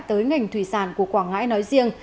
tới ngành thủy sản của quảng ngãi nói riêng